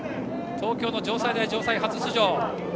東京の城西大城西は初出場。